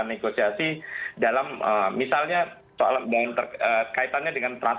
negosiasi dalam misalnya soal yang terkaitannya dengan transformasi